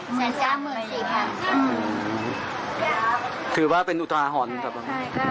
แสดงเมื่อสี่ครั้งอืมคือว่าเป็นอุตราหรรณ์ใช่ใช่